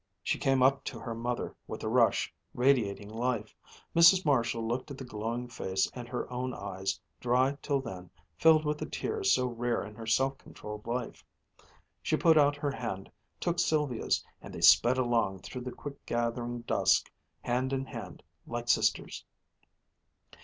She came up to her mother with a rush, radiating life. Mrs. Marshall looked at the glowing face and her own eyes, dry till then, filled with the tears so rare in her self controlled life. She put out her hand, took Sylvia's, and they sped along through the quick gathering dusk, hand in hand like sisters.